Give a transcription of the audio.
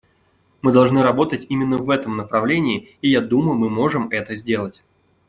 Мы должны работать именно в этом направлении, и, я думаю, мы можем это сделать.